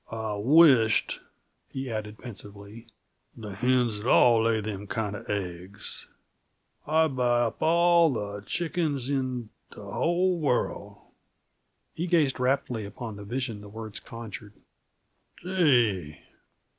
"I wisht," he added pensively, "the hens'd all lay them kinda aigs. I'd buy up all the shickens in the whole worl'." He gazed raptly upon the vision the words conjured. "Gee!